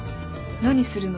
何するの？